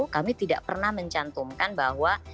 kami tidak pernah mencantumkan bahwa